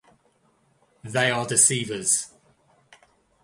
They are deceivers.